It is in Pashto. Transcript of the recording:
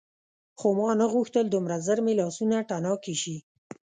خو ما ونه غوښتل دومره ژر مې لاسونه تڼاکي شي.